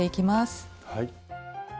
はい。